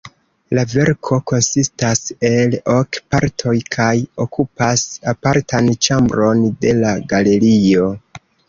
La verko konsistas el ok partoj kaj okupas apartan ĉambron de la galerio.